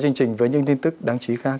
chương trình với những tin tức đáng chí khác